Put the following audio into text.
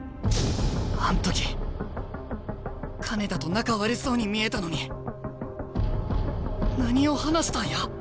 あん時金田と仲悪そうに見えたのに何を話したんや？